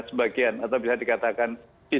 sebagian atau bisa dikatakan